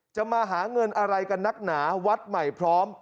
มาหาเงินอะไรกันนักหนาวัดใหม่พร้อม